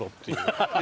ハハハハ！